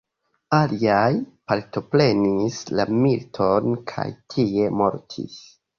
Aliaj partoprenis la militon kaj tie mortis.